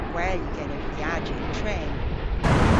Gwell yw genev viajya yn tren.